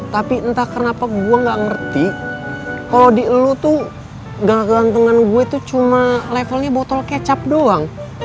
tapi entah kenapa gue gak ngerti kalau di lu tuh gagantungan gue itu cuma levelnya botol kecap doang